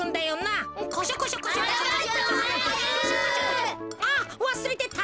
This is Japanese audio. あっわすれてた。